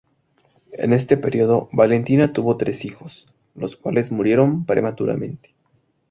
En este periodo Valentina tuvo tres hijos los cuales murieron prematuramente.